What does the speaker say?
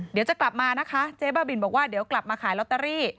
เดี๋ยวจะกลับมานะคะเจ๊บ้าบินบอกว่าเดี๋ยวกลับมาขายลอตเตอรี่